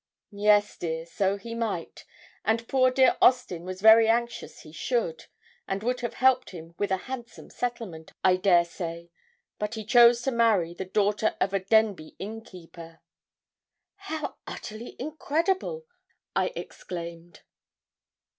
'Yes, dear; so he might, and poor dear Austin was very anxious he should, and would have helped him with a handsome settlement, I dare say, but he chose to marry the daughter of a Denbigh innkeeper.' 'How utterly incredible!' I exclaimed.